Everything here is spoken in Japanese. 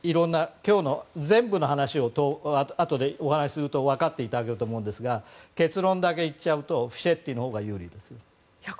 今日の全部の話をあとでお話しすると分かっていただけると思いますが結論だけ言うとフィシェッティのほうが有利です。